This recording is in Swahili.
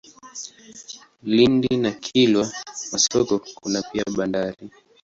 Lindi na Kilwa Masoko kuna pia bandari.